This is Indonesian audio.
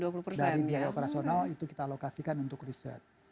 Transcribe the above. dari biaya operasional itu kita alokasikan untuk riset